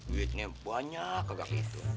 duitnya banyak kagak gitu